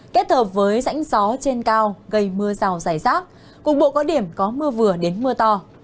kết hợp với rãnh gió trên cao gây mưa rào dài rác cục bộ có điểm có mưa vừa đến mưa to